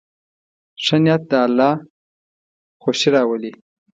ښه نیت د الله خوښي راولي.